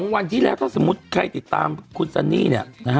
วันที่แล้วถ้าสมมุติใครติดตามคุณซันนี่เนี่ยนะฮะ